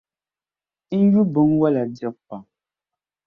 N yu binwola dibu pam.